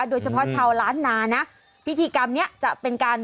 โดยเฉพาะชาวล้านนานะพิธีกรรมเนี้ยจะเป็นการ